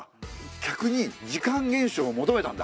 客に時間厳守を求めたんだ。